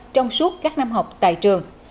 trong suốt các năm học tại trường